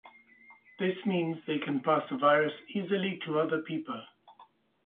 This means they can pass the virus easily to other people.